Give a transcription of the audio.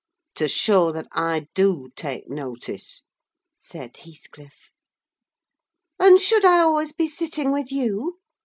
"To show that I do take notice," said Heathcliff. "And should I always be sitting with you?"